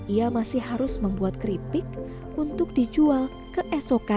ia masih harus membuat keripik untuk dijual keesokan